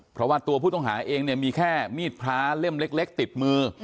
เพราะว่าตัวผู้ต้องหาเองเนี่ยมีแค่มีดพระเล่มเล็กติดมือ